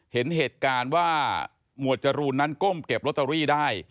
เห็นเหตุการณ์ว่าหมวดจรูนนั้นก้มเก็บลอตเตอรี่ได้